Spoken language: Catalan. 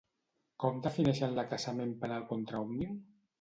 Com defineixen l'acaçament penal contra Òmnium?